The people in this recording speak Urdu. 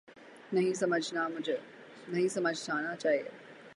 نہیں سمجھانا چاہیے۔